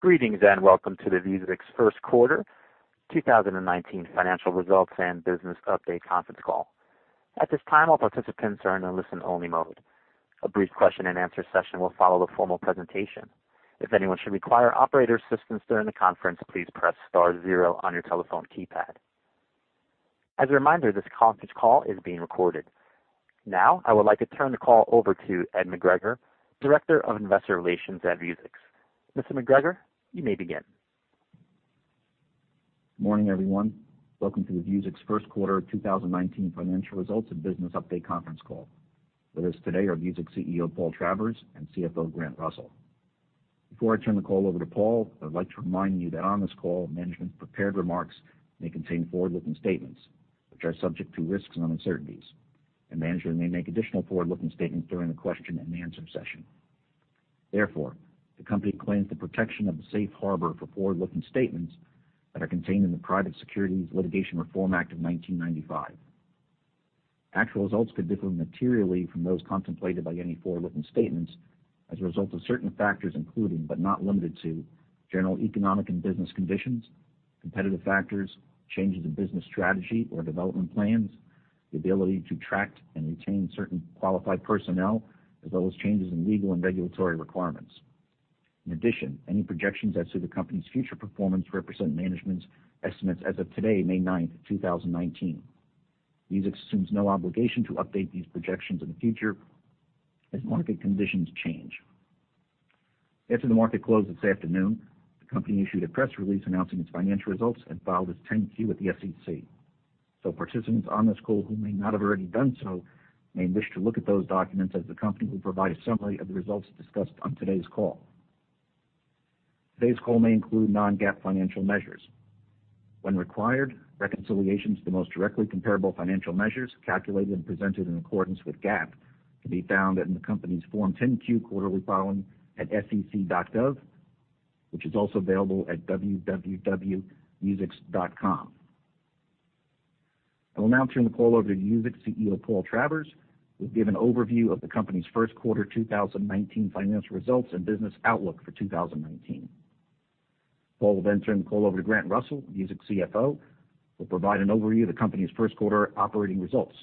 Greetings, welcome to the Vuzix first quarter 2019 financial results and business update conference call. At this time, all participants are in a listen-only mode. A brief question and answer session will follow the formal presentation. If anyone should require operator assistance during the conference, please press star zero on your telephone keypad. As a reminder, this conference call is being recorded. Now, I would like to turn the call over to Ed McGregor, Director of Investor Relations at Vuzix. Mr. McGregor, you may begin. Morning, everyone. Welcome to the Vuzix first quarter 2019 financial results and business update conference call. With us today are Vuzix CEO, Paul Travers, and CFO, Grant Russell. Before I turn the call over to Paul, I'd like to remind you that on this call, management's prepared remarks may contain forward-looking statements, which are subject to risks and uncertainties. Management may make additional forward-looking statements during the question and answer session. Therefore, the company claims the protection of the safe harbor for forward-looking statements that are contained in the Private Securities Litigation Reform Act of 1995. Actual results could differ materially from those contemplated by any forward-looking statements as a result of certain factors including, but not limited to, general economic and business conditions, competitive factors, changes in business strategy or development plans, the ability to attract and retain certain qualified personnel, as well as changes in legal and regulatory requirements. In addition, any projections as to the company's future performance represent management's estimates as of today, May 9th, 2019. Vuzix assumes no obligation to update these projections in the future as market conditions change. After the market close this afternoon, the company issued a press release announcing its financial results and filed its 10-Q with the SEC. Participants on this call who may not have already done so may wish to look at those documents, as the company will provide a summary of the results discussed on today's call. Today's call may include non-GAAP financial measures. When required, reconciliations to the most directly comparable financial measures calculated and presented in accordance with GAAP can be found in the company's Form 10-Q quarterly filing at sec.gov, which is also available at www.vuzix.com. I will now turn the call over to Vuzix CEO, Paul Travers, who will give an overview of the company's first quarter 2019 financial results and business outlook for 2019. Paul will then turn the call over to Grant Russell, Vuzix CFO, who will provide an overview of the company's first quarter operating results.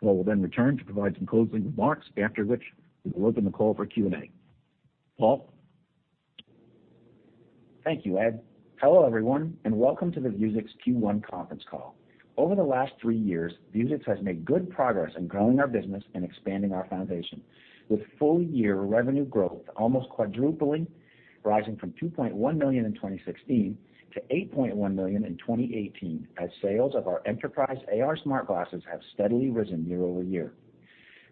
Paul will then return to provide some closing remarks after which we will open the call for Q&A. Paul? Thank you, Ed. Hello, everyone, and welcome to the Vuzix Q1 conference call. Over the last three years, Vuzix has made good progress in growing our business and expanding our foundation. With full year revenue growth almost quadrupling, rising from $2.1 million in 2016 to $8.1 million in 2018 as sales of our enterprise AR smart glasses have steadily risen year-over-year.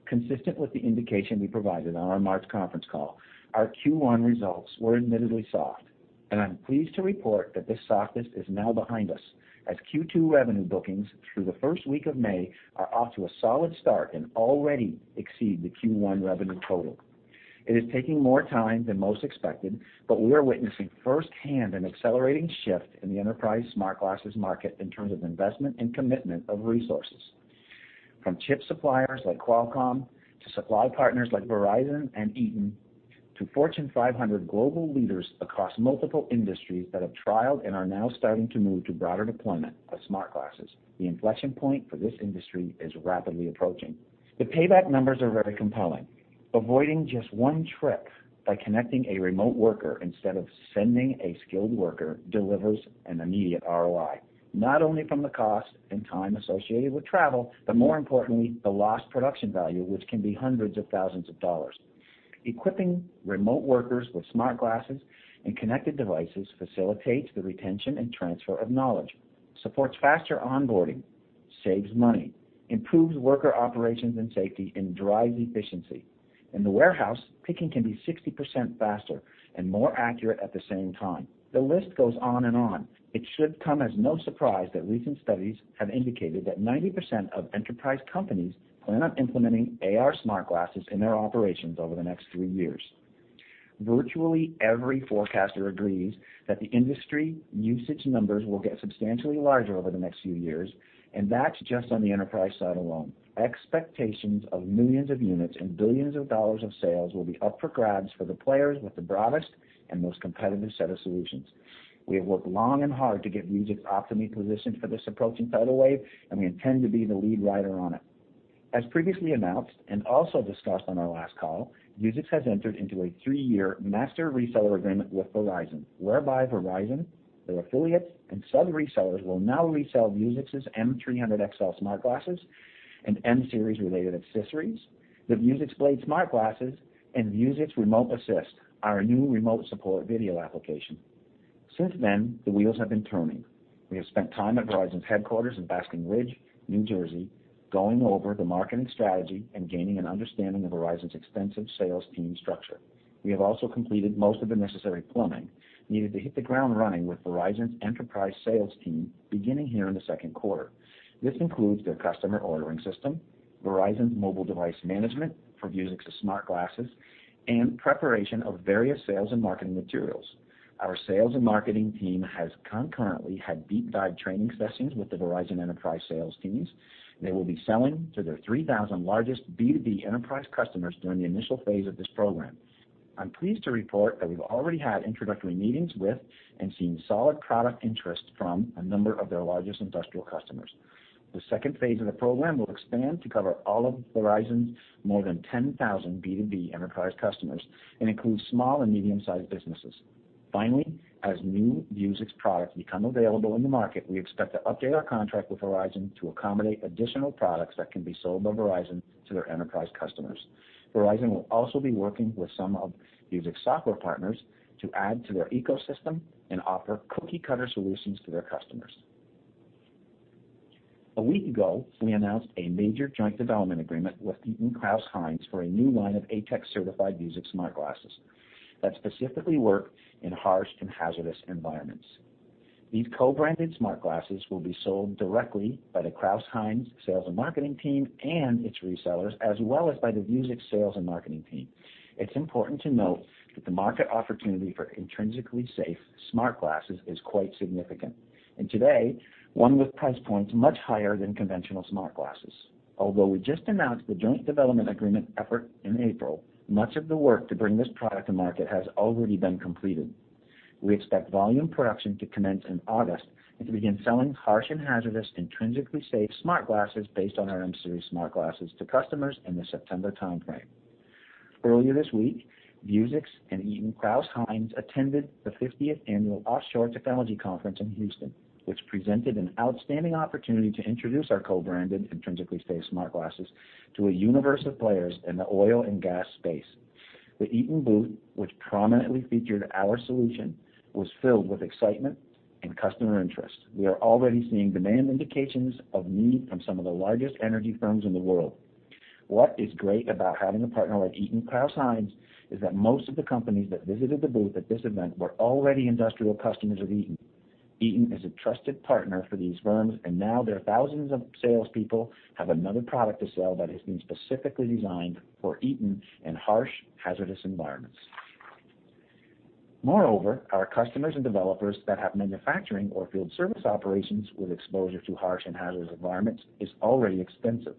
Consistent with the indication we provided on our March conference call, our Q1 results were admittedly soft. I'm pleased to report that this softness is now behind us as Q2 revenue bookings through the first week of May are off to a solid start and already exceed the Q1 revenue total. It is taking more time than most expected. We're witnessing firsthand an accelerating shift in the enterprise smart glasses market in terms of investment and commitment of resources. From chip suppliers like Qualcomm to supply partners like Verizon and Eaton to Fortune 500 global leaders across multiple industries that have trialed and are now starting to move to broader deployment of smart glasses. The inflection point for this industry is rapidly approaching. The payback numbers are very compelling. Avoiding just one trip by connecting a remote worker instead of sending a skilled worker delivers an immediate ROI, not only from the cost and time associated with travel, but more importantly, the lost production value, which can be hundreds of thousands of dollars. Equipping remote workers with smart glasses and connected devices facilitates the retention and transfer of knowledge, supports faster onboarding, saves money, improves worker operations and safety, and drives efficiency. In the warehouse, picking can be 60% faster and more accurate at the same time. The list goes on and on. It should come as no surprise that recent studies have indicated that 90% of enterprise companies plan on implementing AR smart glasses in their operations over the next three years. Virtually every forecaster agrees that the industry usage numbers will get substantially larger over the next few years. That's just on the enterprise side alone. Expectations of millions of units and billions of dollars of sales will be up for grabs for the players with the broadest and most competitive set of solutions. We have worked long and hard to get Vuzix optimally positioned for this approaching tidal wave. We intend to be the lead rider on it. As previously announced and also discussed on our last call, Vuzix has entered into a three-year master reseller agreement with Verizon, whereby Verizon, their affiliates, and sub-resellers will now resell Vuzix's M300XL smart glasses and M series related accessories, the Vuzix Blade smart glasses, and Vuzix Remote Assist, our new remote support video application. Since then, the wheels have been turning. We have spent time at Verizon's headquarters in Basking Ridge, New Jersey, going over the marketing strategy and gaining an understanding of Verizon's extensive sales team structure. We have also completed most of the necessary plumbing needed to hit the ground running with Verizon's enterprise sales team beginning here in the second quarter. This includes their customer ordering system, Verizon's mobile device management for Vuzix's smart glasses, and preparation of various sales and marketing materials. Our sales and marketing team has concurrently had deep dive training sessions with the Verizon enterprise sales teams. They will be selling to their 3,000 largest B2B enterprise customers during the initial phase of this program. I'm pleased to report that we've already had introductory meetings with, and seen solid product interest from, a number of their largest industrial customers. The second phase of the program will expand to cover all of Verizon's more than 10,000 B2B enterprise customers and include small and medium-sized businesses. Finally, as new Vuzix products become available in the market, we expect to update our contract with Verizon to accommodate additional products that can be sold by Verizon to their enterprise customers. Verizon will also be working with some of Vuzix's software partners to add to their ecosystem and offer cookie-cutter solutions to their customers. A week ago, we announced a major joint development agreement with Eaton Crouse-Hinds for a new line of ATEX-certified Vuzix smart glasses that specifically work in harsh and hazardous environments. These co-branded smart glasses will be sold directly by the Crouse-Hinds sales and marketing team and its resellers, as well as by the Vuzix sales and marketing team. It's important to note that the market opportunity for intrinsically safe smart glasses is quite significant, and today, one with price points much higher than conventional smart glasses. Although we just announced the joint development agreement effort in April, much of the work to bring this product to market has already been completed. We expect volume production to commence in August and to begin selling harsh and hazardous intrinsically safe smart glasses based on our M series smart glasses to customers in the September timeframe. Earlier this week, Vuzix and Eaton Crouse-Hinds attended the 50th annual Offshore Technology Conference in Houston, which presented an outstanding opportunity to introduce our co-branded intrinsically safe smart glasses to a universe of players in the oil and gas space. The Eaton booth, which prominently featured our solution, was filled with excitement and customer interest. We are already seeing demand indications of need from some of the largest energy firms in the world. What is great about having a partner like Eaton Crouse-Hinds is that most of the companies that visited the booth at this event were already industrial customers of Eaton. Eaton is a trusted partner for these firms, and now their thousands of salespeople have another product to sell that has been specifically designed for Eaton in harsh, hazardous environments. Moreover, our customers and developers that have manufacturing or field service operations with exposure to harsh and hazardous environments is already extensive.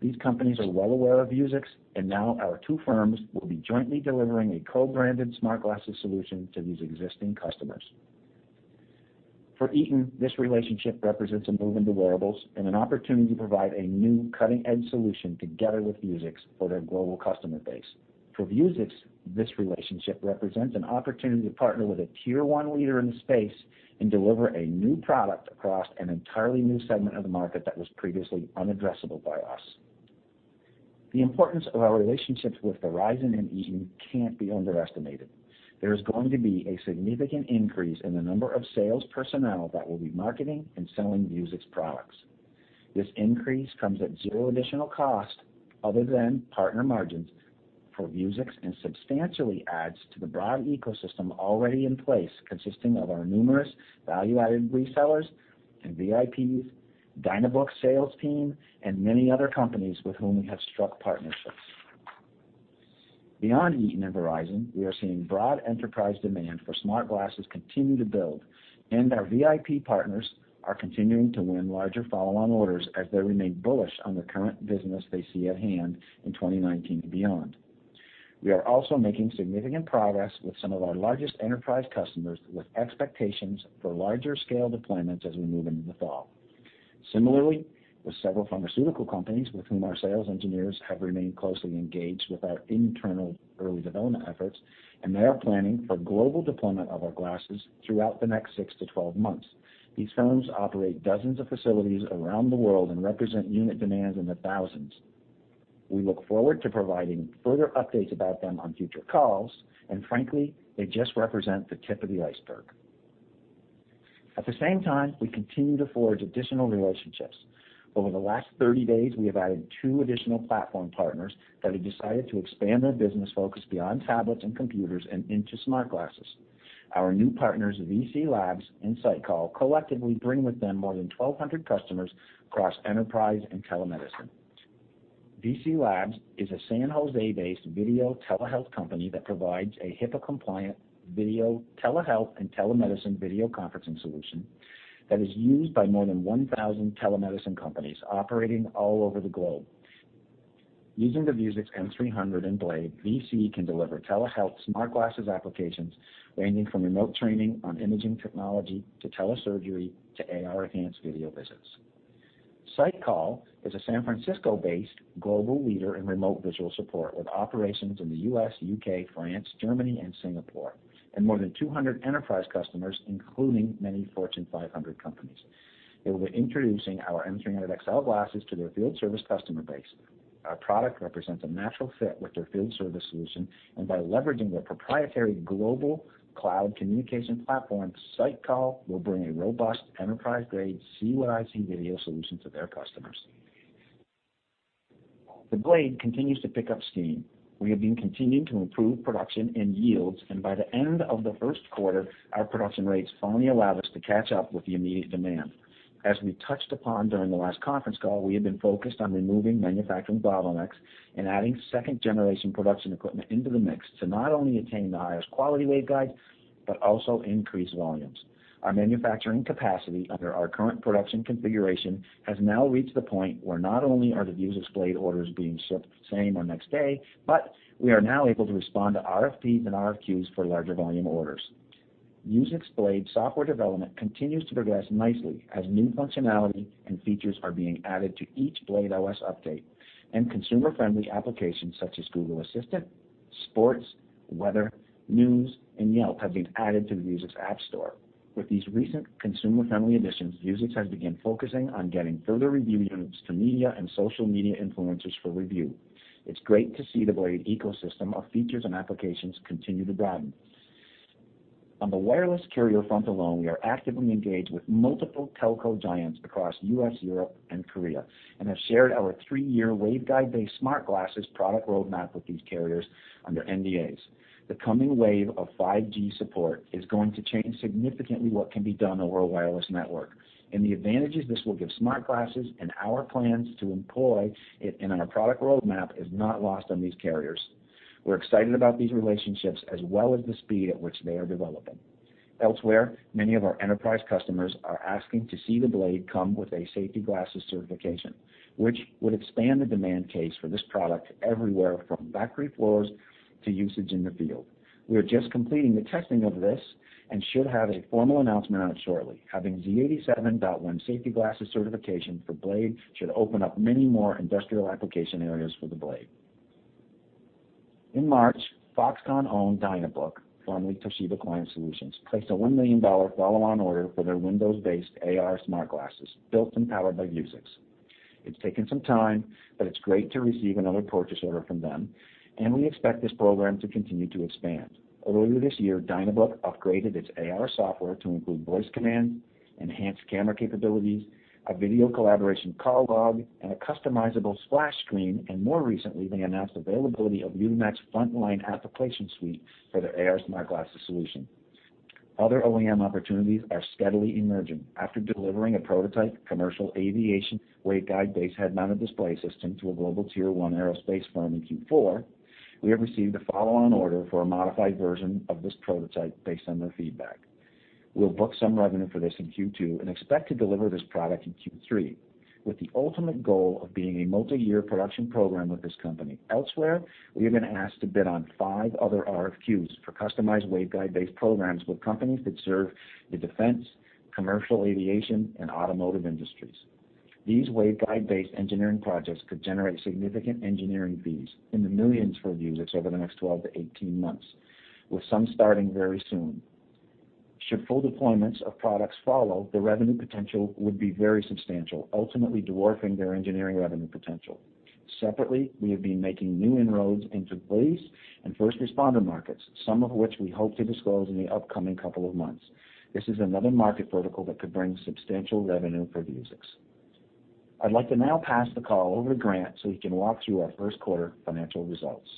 These companies are well aware of Vuzix, and now our two firms will be jointly delivering a co-branded smart glasses solution to these existing customers. For Eaton, this relationship represents a move into wearables and an opportunity to provide a new cutting-edge solution together with Vuzix for their global customer base. For Vuzix, this relationship represents an opportunity to partner with a tier 1 leader in the space and deliver a new product across an entirely new segment of the market that was previously unaddressable by us. The importance of our relationships with Verizon and Eaton can't be underestimated. There is going to be a significant increase in the number of sales personnel that will be marketing and selling Vuzix products. This increase comes at zero additional cost other than partner margins for Vuzix and substantially adds to the broad ecosystem already in place, consisting of our numerous value-added resellers and VIPs, Dynabook sales team, and many other companies with whom we have struck partnerships. Beyond Eaton and Verizon, we are seeing broad enterprise demand for smart glasses continue to build, and our VIP partners are continuing to win larger follow-on orders as they remain bullish on the current business they see at hand in 2019 and beyond. We are also making significant progress with some of our largest enterprise customers, with expectations for larger scale deployments as we move into the fall. Similarly, with several pharmaceutical companies with whom our sales engineers have remained closely engaged with our internal early development efforts, they are planning for global deployment of our glasses throughout the next 6-12 months. These firms operate dozens of facilities around the world and represent unit demands in the thousands. We look forward to providing further updates about them on future calls, frankly, they just represent the tip of the iceberg. At the same time, we continue to forge additional relationships. Over the last 30 days, we have added 2 additional platform partners that have decided to expand their business focus beyond tablets and computers and into smart glasses. Our new partners, VSee Labs and SightCall, collectively bring with them more than 1,200 customers across enterprise and telemedicine. VSee Labs is a San Jose-based video telehealth company that provides a HIPAA-compliant video telehealth and telemedicine video conferencing solution that is used by more than 1,000 telemedicine companies operating all over the globe. Using the Vuzix M300 and Blade, VSee can deliver telehealth smart glasses applications ranging from remote training on imaging technology to telesurgery to AR-enhanced video visits. SightCall is a San Francisco-based global leader in remote visual support with operations in the U.S., U.K., France, Germany, and Singapore, and more than 200 enterprise customers, including many Fortune 500 companies. They will be introducing our M300XL glasses to their field service customer base. Our product represents a natural fit with their field service solution, by leveraging their proprietary global cloud communication platform, SightCall will bring a robust enterprise-grade see-what-I-see video solution to their customers. The Blade continues to pick up steam. We have been continuing to improve production and yields, by the end of the first quarter, our production rates finally allowed us to catch up with the immediate demand. As we touched upon during the last conference call, we have been focused on removing manufacturing bottlenecks and adding second-generation production equipment into the mix to not only attain the highest quality waveguide, also increase volumes. Our manufacturing capacity under our current production configuration has now reached the point where not only are the Vuzix Blade orders being shipped same or next day, we are now able to respond to RFPs and RFQs for larger volume orders. Vuzix Blade software development continues to progress nicely as new functionality and features are being added to each Blade OS update, consumer-friendly applications such as Google Assistant, sports, weather, news, and Yelp have been added to the Vuzix App Store. With these recent consumer-friendly additions, Vuzix has begun focusing on getting further review units to media and social media influencers for review. It's great to see the Blade ecosystem of features and applications continue to broaden. On the wireless carrier front alone, we are actively engaged with multiple telco giants across U.S., Europe, and Korea, and have shared our three-year waveguide-based smartglasses product roadmap with these carriers under NDAs. The coming wave of 5G support is going to change significantly what can be done over a wireless network. The advantages this will give smartglasses and our plans to employ it in our product roadmap is not lost on these carriers. We are excited about these relationships, as well as the speed at which they are developing. Elsewhere, many of our enterprise customers are asking to see the Blade come with a safety glasses certification, which would expand the demand case for this product everywhere from factory floors to usage in the field. We are just completing the testing of this and should have a formal announcement out shortly. Having Z87.1 safety glasses certification for Blade should open up many more industrial application areas for the Blade. In March, Foxconn-owned Dynabook, formerly Toshiba Client Solutions, placed a $1 million follow-on order for their Windows-based AR smart glasses, built and powered by Vuzix. It's taken some time, but it's great to receive another purchase order from them, and we expect this program to continue to expand. Earlier this year, Dynabook upgraded its AR software to include voice command, enhanced camera capabilities, a video collaboration call log, and a customizable splash screen, and more recently, they announced availability of Ubimax Frontline application suite for their AR smart glasses solution. Other OEM opportunities are steadily emerging. After delivering a prototype commercial aviation waveguide-based head-mounted display system to a global tier 1 aerospace firm in Q4, we have received a follow-on order for a modified version of this prototype based on their feedback. We will book some revenue for this in Q2 and expect to deliver this product in Q3, with the ultimate goal of being a multiyear production program with this company. Elsewhere, we have been asked to bid on five other RFQs for customized waveguide-based programs with companies that serve the defense, commercial aviation, and automotive industries. These waveguide-based engineering projects could generate significant engineering fees in the millions for Vuzix over the next 12 to 18 months, with some starting very soon. Should full deployments of products follow, the revenue potential would be very substantial, ultimately dwarfing their engineering revenue potential. Separately, we have been making new inroads into police and first responder markets, some of which we hope to disclose in the upcoming couple of months. This is another market vertical that could bring substantial revenue for Vuzix. I would like to now pass the call over to Grant so he can walk through our first quarter financial results.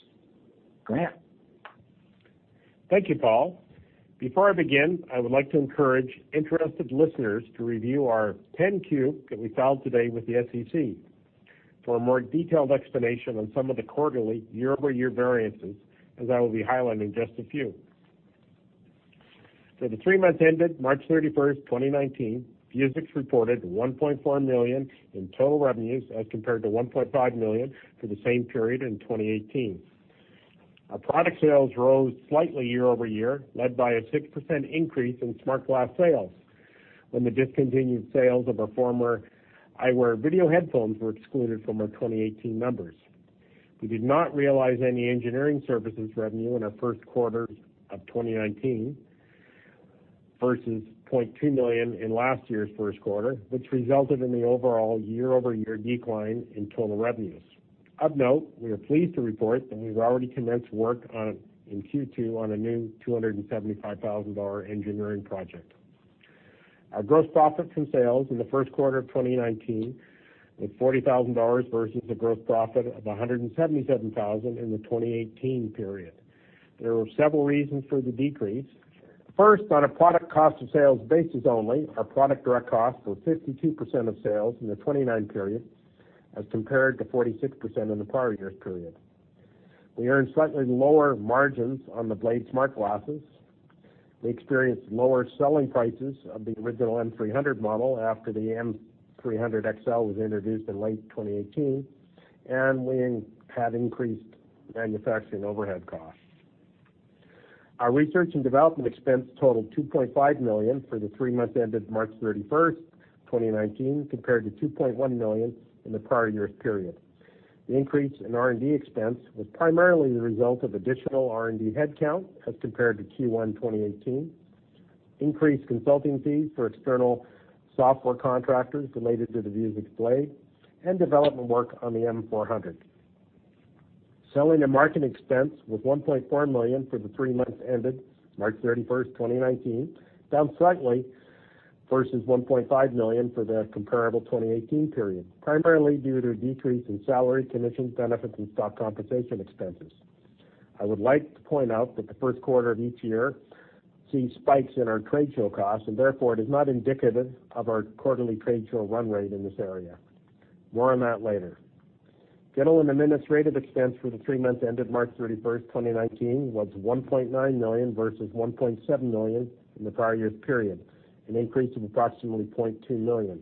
Grant? Thank you, Paul. Before I begin, I would like to encourage interested listeners to review our 10-Q that we filed today with the SEC for a more detailed explanation on some of the quarterly year-over-year variances, as I will be highlighting just a few. For the three months ended March 31st, 2019, Vuzix reported $1.4 million in total revenues as compared to $1.5 million for the same period in 2018. Our product sales rose slightly year-over-year, led by a 6% increase in smart glass sales when the discontinued sales of our former eyewear video headphones were excluded from our 2018 numbers. We did not realize any engineering services revenue in our first quarter of 2019 versus $0.2 million in last year's first quarter, which resulted in the overall year-over-year decline in total revenues. Of note, we are pleased to report that we've already commenced work in Q2 on a new $275,000 engineering project. Our gross profit from sales in the first quarter of 2019 was $40,000 versus a gross profit of $177,000 in the 2018 period. There were several reasons for the decrease. First, on a product cost of sales basis only, our product direct costs were 52% of sales in the 2019 period as compared to 46% in the prior year's period. We earned slightly lower margins on the Vuzix Blade smart glasses. We experienced lower selling prices of the original M300 model after the M300XL was introduced in late 2018, and we have increased manufacturing overhead costs. Our research and development expense totaled $2.5 million for the three months ended March 31st, 2019, compared to $2.1 million in the prior year's period. The increase in R&D expense was primarily the result of additional R&D headcount as compared to Q1 2018, increased consulting fees for external software contractors related to the Vuzix Blade, and development work on the M400. Selling and marketing expense was $1.4 million for the three months ended March 31st, 2019, down slightly versus $1.5 million for the comparable 2018 period, primarily due to a decrease in salary, commissions, benefits, and stock compensation expenses. I would like to point out that the first quarter of each year sees spikes in our trade show costs, and therefore it is not indicative of our quarterly trade show run rate in this area. More on that later. General and administrative expense for the three months ended March 31st, 2019, was $1.9 million versus $1.7 million in the prior year's period, an increase of approximately $0.2 million.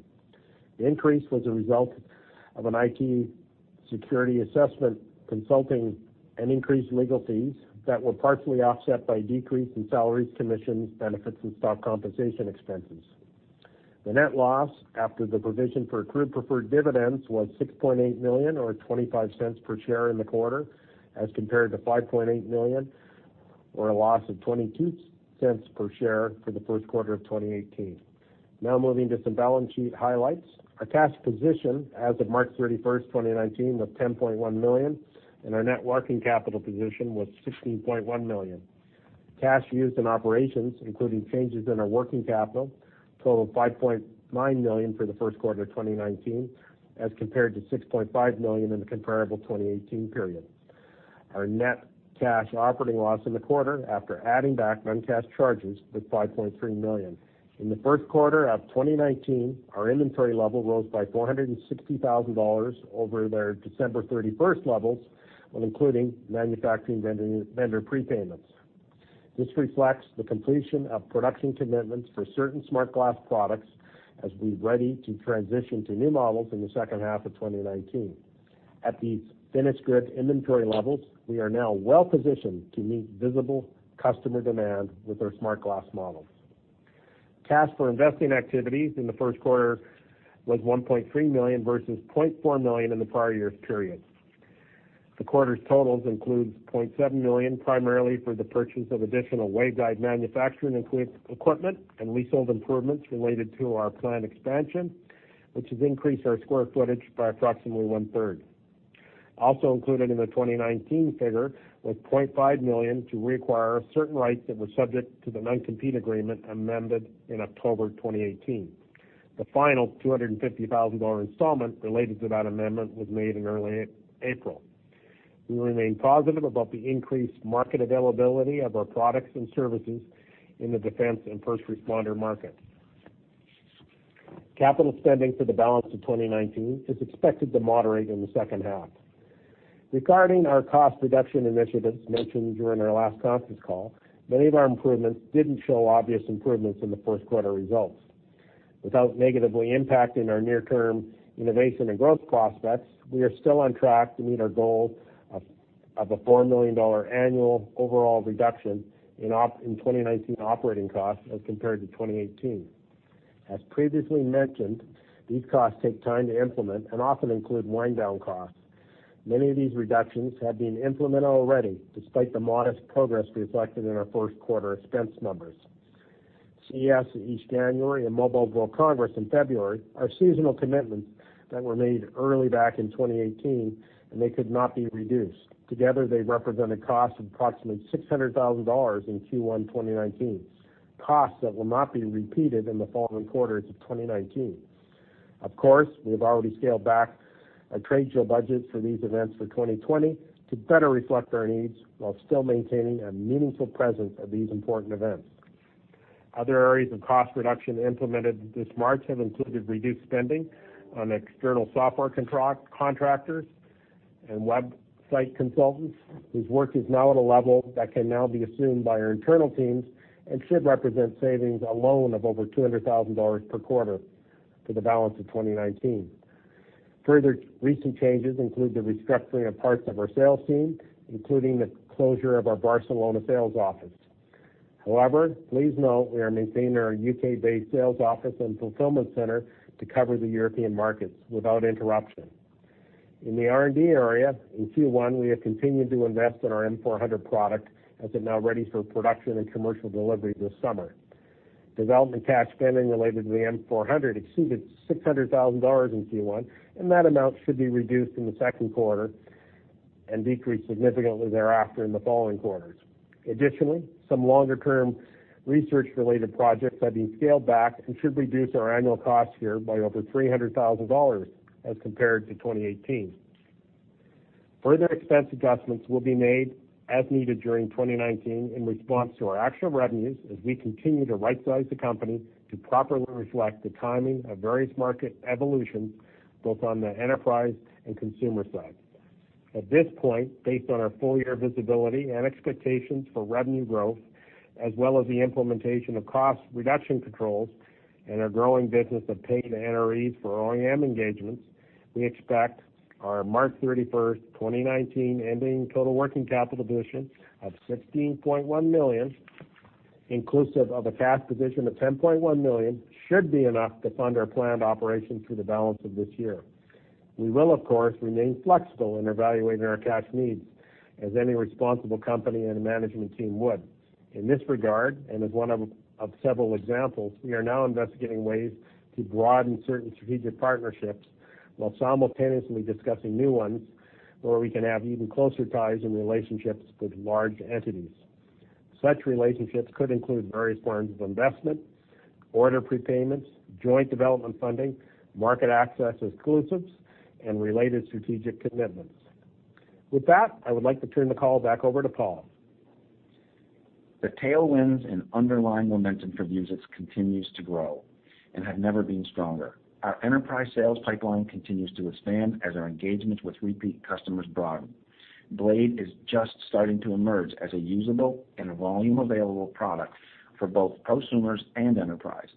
The increase was a result of an IT security assessment consulting and increased legal fees that were partially offset by a decrease in salaries, commissions, benefits, and stock compensation expenses. The net loss after the provision for accrued preferred dividends was $6.8 million, or $0.25 per share in the quarter, as compared to $5.8 million, or a loss of $0.22 per share for the first quarter of 2018. Now moving to some balance sheet highlights. Our cash position as of March 31st, 2019, was $10.1 million, and our net working capital position was $16.1 million. Cash used in operations, including changes in our working capital, total of $5.9 million for the first quarter of 2019, as compared to $6.5 million in the comparable 2018 period. Our net cash operating loss in the quarter, after adding back non-cash charges, was $5.3 million. In the first quarter of 2019, our inventory level rose by $460,000 over their December 31st levels when including manufacturing vendor prepayments. This reflects the completion of production commitments for certain Smart Glass products as we ready to transition to new models in the second half of 2019. At these finished goods inventory levels, we are now well-positioned to meet visible customer demand with our Smart Glass models. Cash for investing activities in the first quarter was $1.3 million versus $0.4 million in the prior year's period. The quarter's totals includes $0.7 million, primarily for the purchase of additional waveguide manufacturing equipment and leasehold improvements related to our plant expansion, which has increased our square footage by approximately one-third. Also included in the 2019 figure was $0.5 million to reacquire certain rights that were subject to the non-compete agreement amended in October 2018. The final $250,000 installment related to that amendment was made in early April. We remain positive about the increased market availability of our products and services in the defense and first responder market. Capital spending for the balance of 2019 is expected to moderate in the second half. Regarding our cost reduction initiatives mentioned during our last conference call, many of our improvements didn't show obvious improvements in the first quarter results. Without negatively impacting our near-term innovation and growth prospects, we are still on track to meet our goal of a $4 million annual overall reduction in 2019 operating costs as compared to 2018. As previously mentioned, these costs take time to implement and often include wind-down costs. Many of these reductions have been implemented already, despite the modest progress reflected in our first quarter expense numbers. CES each January and Mobile World Congress in February are seasonal commitments that were made early back in 2018, and they could not be reduced. Together, they represent a cost of approximately $600,000 in Q1 2019, costs that will not be repeated in the following quarters of 2019. Of course, we have already scaled back our trade show budgets for these events for 2020 to better reflect our needs while still maintaining a meaningful presence at these important events. Other areas of cost reduction implemented this March have included reduced spending on external software contractors and website consultants whose work is now at a level that can now be assumed by our internal teams and should represent savings alone of over $200,000 per quarter for the balance of 2019. Further recent changes include the restructuring of parts of our sales team, including the closure of our Barcelona sales office. However, please note we are maintaining our U.K.-based sales office and fulfillment center to cover the European markets without interruption. In the R&D area, in Q1, we have continued to invest in our M400 product, as it now readies for production and commercial delivery this summer. Development cash spending related to the M400 exceeded $600,000 in Q1, and that amount should be reduced in the second quarter and decrease significantly thereafter in the following quarters. Additionally, some longer-term research-related projects have been scaled back and should reduce our annual costs here by over $300,000 as compared to 2018. Further expense adjustments will be made as needed during 2019 in response to our actual revenues as we continue to rightsize the company to properly reflect the timing of various market evolutions, both on the enterprise and consumer side. At this point, based on our full-year visibility and expectations for revenue growth, as well as the implementation of cost reduction controls and our growing business of paid NREs for OEM engagements, we expect our March 31st, 2019, ending total working capital position of $16.1 million, inclusive of a cash position of $10.1 million, should be enough to fund our planned operations through the balance of this year. We will, of course, remain flexible in evaluating our cash needs as any responsible company and a management team would. In this regard, and as one of several examples, we are now investigating ways to broaden certain strategic partnerships while simultaneously discussing new ones where we can have even closer ties and relationships with large entities. Such relationships could include various forms of investment, order prepayments, joint development funding, market access exclusives, and related strategic commitments. With that, I would like to turn the call back over to Paul. The tailwinds and underlying momentum for Vuzix continues to grow and have never been stronger. Our enterprise sales pipeline continues to expand as our engagements with repeat customers broaden. Blade is just starting to emerge as a usable and volume-available product for both prosumers and enterprise.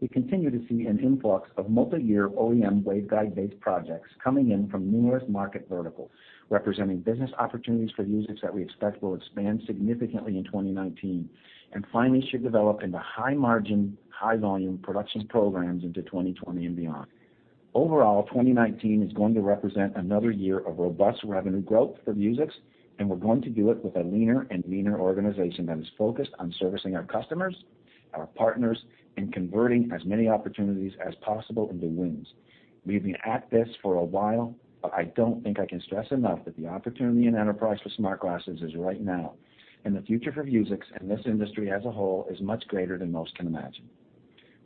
We continue to see an influx of multi-year OEM waveguide-based projects coming in from numerous market verticals, representing business opportunities for Vuzix that we expect will expand significantly in 2019, and finally should develop into high margin, high volume production programs into 2020 and beyond. Overall, 2019 is going to represent another year of robust revenue growth for Vuzix, and we're going to do it with a leaner and meaner organization that is focused on servicing our customers, our partners, and converting as many opportunities as possible into wins. We've been at this for a while, but I don't think I can stress enough that the opportunity in enterprise for smart glasses is right now, and the future for Vuzix and this industry as a whole is much greater than most can imagine.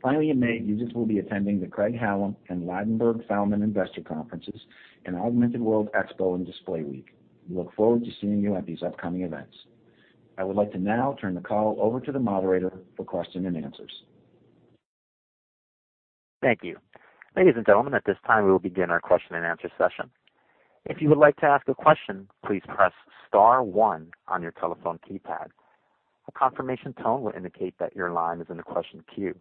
Finally, in May, Vuzix will be attending the Craig-Hallum and Ladenburg Thalmann investor conferences and Augmented World Expo and Display Week. We look forward to seeing you at these upcoming events. I would like to now turn the call over to the moderator for question and answers. Thank you. Ladies and gentlemen, at this time, we will begin our question and answer session. If you would like to ask a question, please press *1 on your telephone keypad. A confirmation tone will indicate that your line is in the question queue.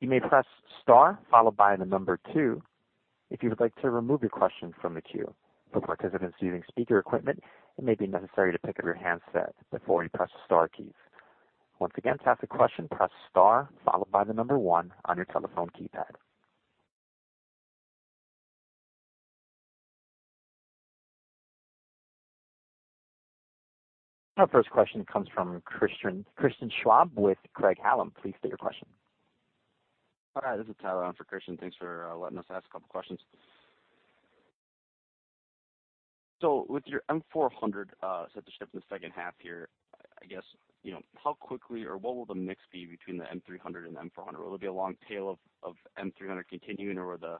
You may press * followed by the number 2 if you would like to remove your question from the queue. For participants using speaker equipment, it may be necessary to pick up your handset before you press the star key. Once again, to ask a question, press * followed by the number 1 on your telephone keypad. Our first question comes from Christian Schwab with Craig-Hallum. Please state your question. Hi, this is Tyler on for Christian. Thanks for letting us ask a couple questions. With your M400 set to ship in the second half here, I guess, how quickly or what will the mix be between the M300 and M400? Will it be a long tail of M300 continuing or the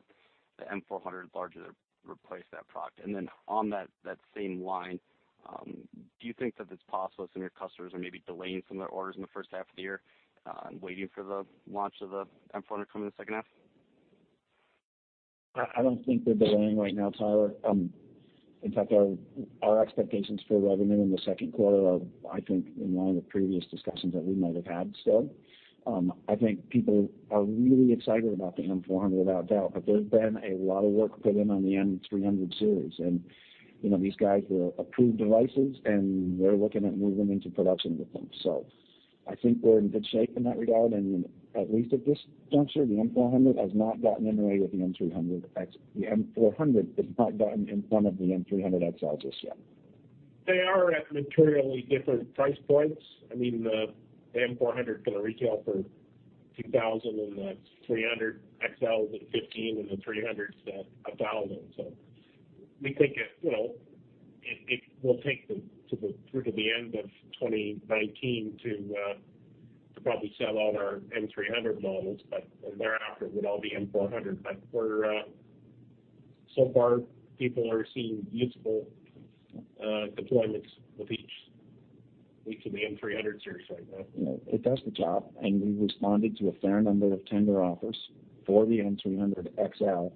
M400 larger replace that product? On that same line, do you think that it's possible some of your customers are maybe delaying some of their orders in the first half of the year, waiting for the launch of the M400 coming in the second half? I don't think they're delaying right now, Tyler. In fact, our expectations for revenue in the second quarter are, I think, in line with previous discussions that we might have had still. I think people are really excited about the M400, without a doubt, but there's been a lot of work put in on the M300 series. These guys are approved devices, and they're looking at moving into production with them. I think we're in good shape in that regard, and at least at this juncture, the M400 has not gotten in the way of the M300 XL. The M400 has not gotten in front of the M300 XLs just yet. They are at materially different price points. The M400 is going to retail for $2,000, and the 300 XL is at $15, and the 300 is at $1,000. We think it will take them through to the end of 2019 to probably sell all our M300 models, thereafter, it would all be M400. So far, people are seeing usable deployments with each of the M300 series right now. We responded to a fair number of tender offers for the M300XL,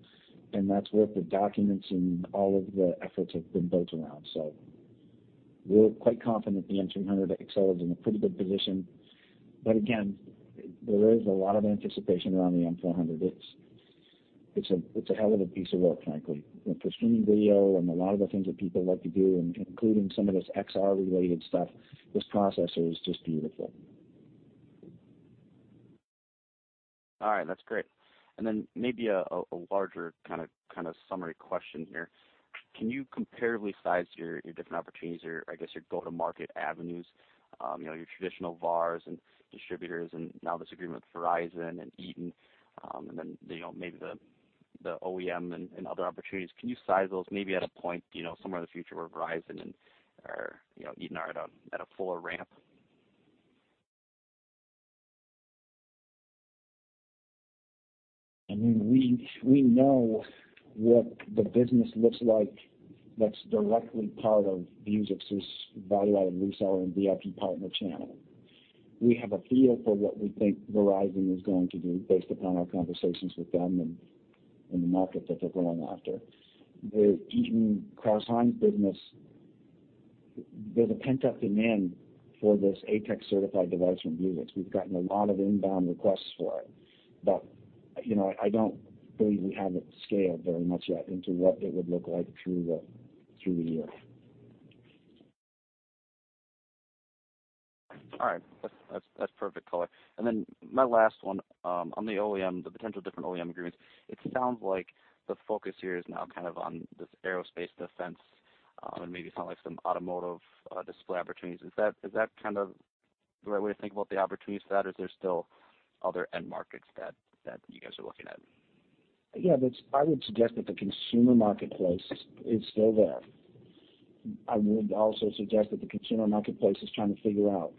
and that's what the documents and all of the efforts have been built around. We're quite confident the M300XL is in a pretty good position. Again, there is a lot of anticipation around the M400. It's a hell of a piece of work, frankly. For streaming video and a lot of the things that people like to do, including some of this XR-related stuff, this processor is just beautiful. All right. That's great. Maybe a larger kind of summary question here. Can you comparatively size your different opportunities or I guess your go-to-market avenues, your traditional VARs and distributors, now this agreement with Verizon and Eaton, and then maybe the OEM and other opportunities? Can you size those maybe at a point somewhere in the future where Verizon and Eaton are at a fuller ramp? We know what the business looks like that's directly part of Vuzix's value-added reseller and VIP partner channel. We have a feel for what we think Verizon is going to do based upon our conversations with them and the market that they're going after. The Eaton Crouse-Hinds business, there's a pent-up demand for this ATEX certified device from Vuzix. We've gotten a lot of inbound requests for it. I don't believe we have it scaled very much yet into what it would look like through the year. All right. That's perfect color. My last one, on the OEM, the potential different OEM agreements, it sounds like the focus here is now kind of on this aerospace defense, and maybe it sounds like some automotive display opportunities. Is that kind of the right way to think about the opportunities for that, or is there still other end markets that you guys are looking at? Yeah, I would suggest that the consumer marketplace is still there. I would also suggest that the consumer marketplace is trying to figure out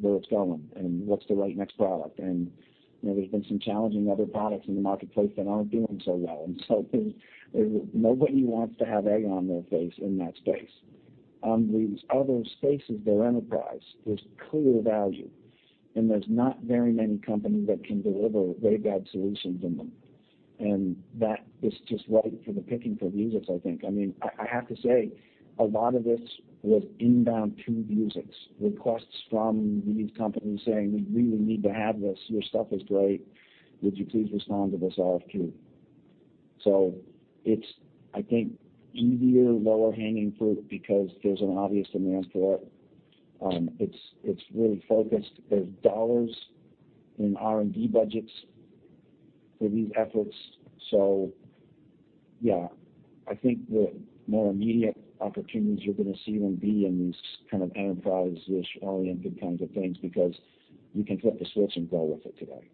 where it's going and what's the right next product. There's been some challenging other products in the marketplace that aren't doing so well. Nobody wants to have egg on their face in that space. On these other spaces, they're enterprise. There's clear value, and there's not very many companies that can deliver waveguide solutions in them. That is just ripe for the picking for Vuzix, I think. I have to say, a lot of this was inbound to Vuzix, requests from these companies saying, "We really need to have this. Your stuff is great. Would you please respond to this RFQ?" It's, I think, easier, lower-hanging fruit because there's an obvious demand for it. It's really focused. There's dollars in R&D budgets for these efforts. Yeah, I think the more immediate opportunities you're going to see will be in these kind of enterprise-ish oriented kinds of things, because you can flip the switch and go with it today.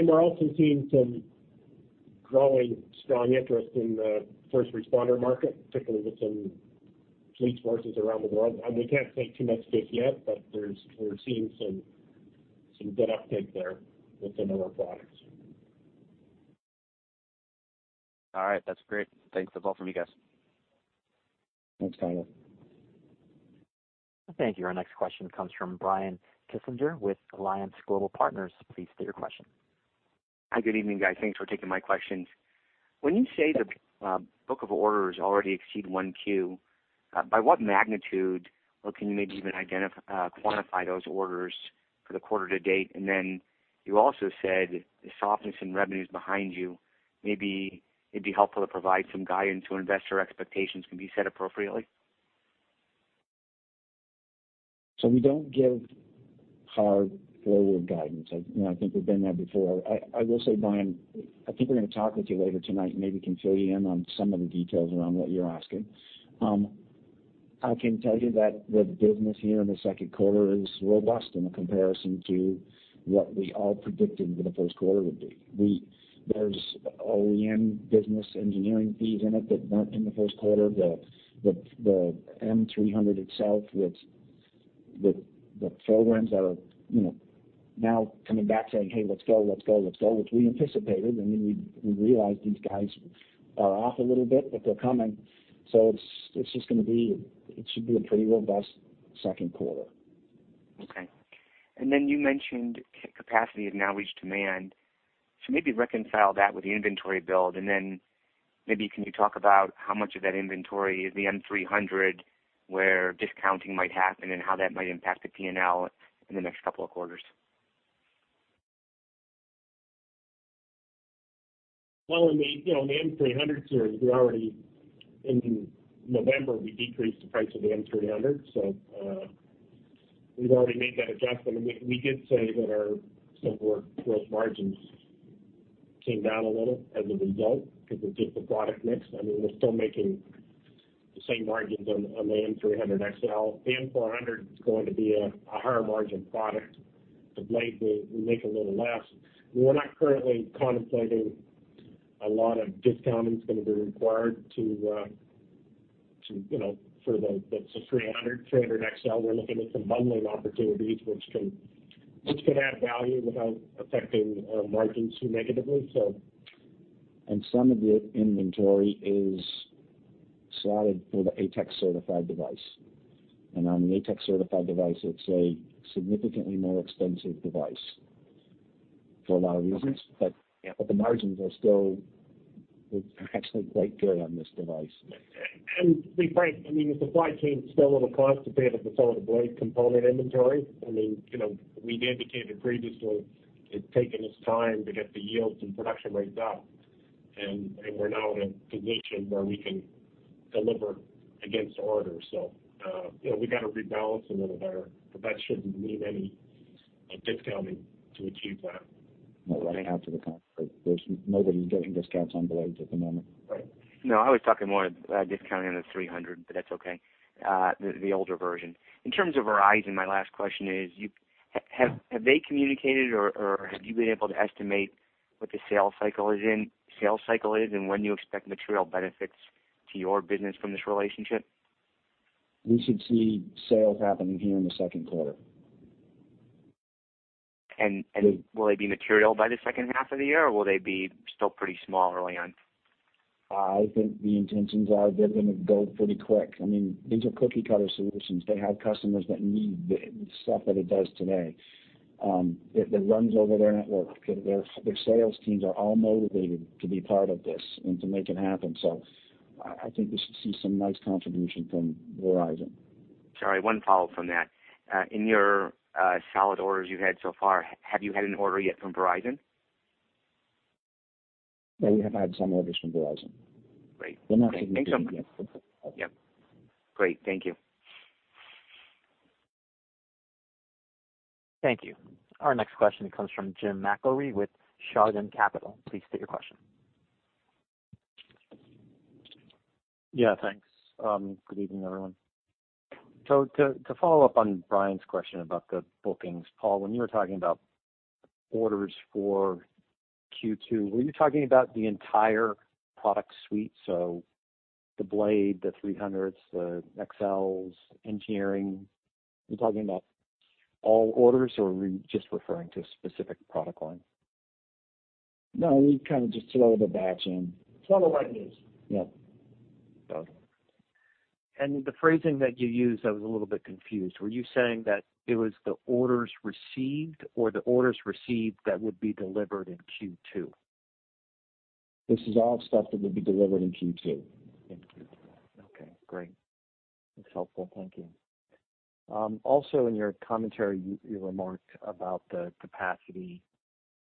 We're also seeing some growing strong interest in the first responder market, particularly with some police forces around the world. We can't say too much of this yet, but we're seeing some good uptake there with some of our products. All right. That's great. Thanks a bunch from you guys. Thanks, Tyler. Thank you. Our next question comes from Brian Kinstlinger with Alliance Global Partners. Please state your question. Hi, good evening, guys. Thanks for taking my questions. When you say the book of orders already exceed 1Q, by what magnitude, or can you maybe even quantify those orders for the quarter to date? You also said the softness in revenue's behind you. Maybe it'd be helpful to provide some guidance so investor expectations can be set appropriately. We don't give hard forward guidance. I think we've been there before. I will say, Brian, I think we're going to talk with you later tonight and maybe can fill you in on some of the details around what you're asking. I can tell you that the business here in the second quarter is robust in comparison to what we all predicted the first quarter would be. There's OEM business engineering fees in it that weren't in the first quarter, the M300 itself with the programs that are now coming back saying, "Hey, let's go." Which we anticipated, and we realized these guys are off a little bit, but they're coming. It should be a pretty robust second quarter. You mentioned capacity has now reached demand. Maybe reconcile that with the inventory build, can you talk about how much of that inventory is the M300, where discounting might happen, and how that might impact the P&L in the next couple of quarters? On the M300 series, in November, we decreased the price of the M300, we've already made that adjustment. We did say that our gross margins came down a little as a result, because we did the product mix. We're still making the same margins on the M300XL. The M400 is going to be a higher margin product. The Blade, we make a little less. We're not currently contemplating a lot of discounting that's going to be required for the M300, M300XL. We're looking at some bundling opportunities, which could add value without affecting our margins too negatively. Some of the inventory is slotted for the ATEX certified device. On the ATEX certified device, it's a significantly more expensive device for a lot of reasons. Okay. The margins are still actually quite good on this device. To be frank, the supply chain's still a little constipated with some of the Blade component inventory. We've indicated previously it's taken its time to get the yields and production rates up, and we're now at a position where we can deliver against orders. We've got to rebalance a little there, but that shouldn't need any discounting to achieve that. We're running after the conflict. Nobody's getting discounts on Blade at the moment. Right. I was talking more discounting on the M300, that's okay, the older version. In terms of Verizon, my last question is, have they communicated, or have you been able to estimate what the sales cycle is and when you expect material benefits to your business from this relationship? We should see sales happening here in the second quarter. Will they be material by the second half of the year, or will they be still pretty small early on? I think the intentions are they're going to go pretty quick. These are cookie-cutter solutions. They have customers that need the stuff that it does today that runs over their network. Their sales teams are all motivated to be part of this and to make it happen. I think we should see some nice contribution from Verizon. Sorry, one follow from that. In your solid orders you've had so far, have you had an order yet from Verizon? Yeah, we have had some orders from Verizon. Great. They're not significant yet. Yep. Great. Thank you. Thank you. Our next question comes from Jim McIlree with Chardan Capital. Please state your question. Yeah, thanks. Good evening, everyone. To follow up on Brian's question about the bookings, Paul, when you were talking about orders for Q2, were you talking about the entire product suite? The Blade, the 300s, the XLs, engineering. You talking about all orders, or were you just referring to a specific product line? No, we kind of just throw the batch in. Throw the wet news. Yeah. The phrasing that you used, I was a little bit confused. Were you saying that it was the orders received or the orders received that would be delivered in Q2? This is all stuff that would be delivered in Q2. In Q2. Okay, great. That's helpful. Thank you. Also in your commentary, you remarked about the capacity.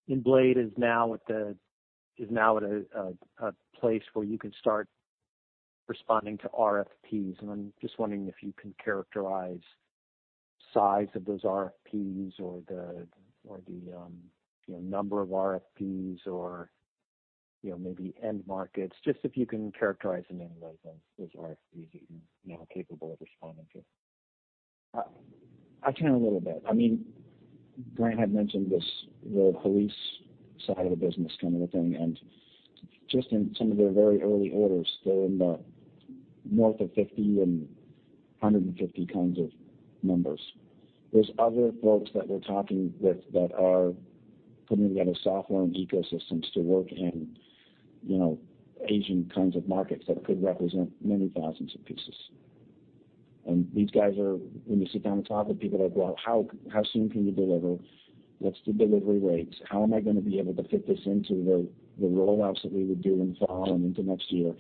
Vuzix Blade is now at a place where you can start responding to RFPs, and I'm just wondering if you can characterize size of those RFPs or the number of RFPs or maybe end markets, just if you can characterize in any way those RFPs that you now are capable of responding to. I can a little bit. Grant had mentioned this, the police side of the business coming within. Just in some of their very early orders, they're in the north of 50 and 150 kinds of numbers. There's other folks that we're talking with that are putting together software and ecosystems to work in Asian kinds of markets that could represent many thousands of pieces. These guys are, when you sit down and talk with people, they're, "Well, how soon can you deliver? What's the delivery rates? How am I going to be able to fit this into the roll-outs that we would do in fall and into next year?"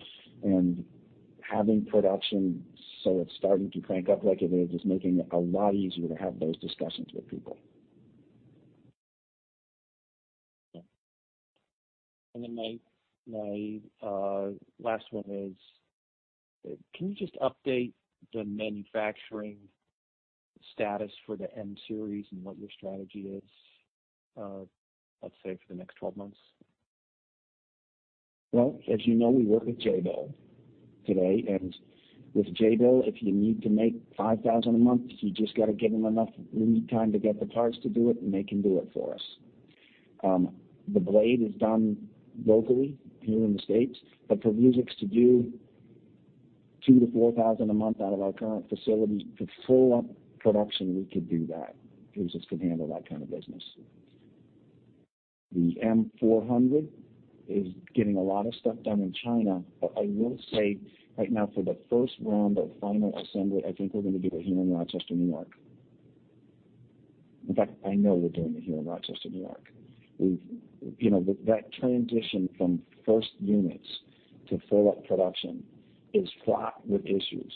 Having production so it's starting to crank up like it is making it a lot easier to have those discussions with people. Yeah. Then my last one is, can you just update the manufacturing status for the M series and what your strategy is, let's say, for the next 12 months? Well, as you know, we work with Jabil today. With Jabil, if you need to make 5,000 a month, you just got to give them enough lead time to get the parts to do it, and they can do it for us. The Vuzix Blade is done locally here in the U.S., for Vuzix to do 2,000 to 4,000 a month out of our current facility, for full production, we could do that. Vuzix could handle that kind of business. The M400 is getting a lot of stuff done in China. I will say right now for the first round of final assembly, I think we're going to do it here in Rochester, New York. In fact, I know we're doing it here in Rochester, New York. That transition from first units to full-up production is fraught with issues,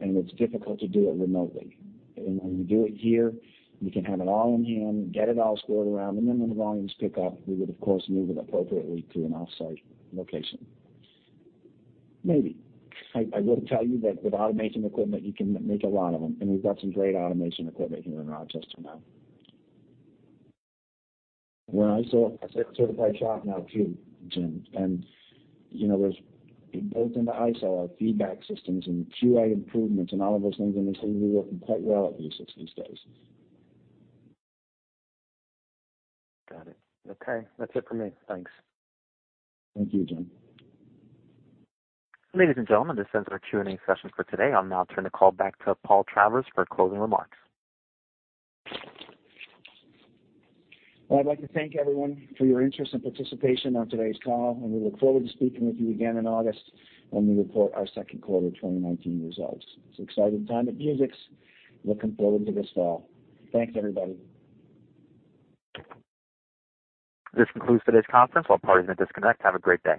and it's difficult to do it remotely. When you do it here, you can have it all in hand, get it all scored around, and then when the volumes pick up, we would, of course, move it appropriately to an off-site location. Maybe. I will tell you that with automation equipment, you can make a lot of them, and we've got some great automation equipment here in Rochester now. We're an ISO certified shop now, too, Jim, and built into ISO are feedback systems and QA improvements and all of those things, and they seem to be working quite well at Vuzix these days. Got it. Okay. That's it for me. Thanks. Thank you, Jim. Ladies and gentlemen, this ends our Q&A session for today. I'll now turn the call back to Paul Travers for closing remarks. Well, I'd like to thank everyone for your interest and participation on today's call. We look forward to speaking with you again in August when we report our second quarter 2019 results. It's an exciting time at Vuzix. Looking forward to this fall. Thanks, everybody. This concludes today's conference. All parties may disconnect. Have a great day.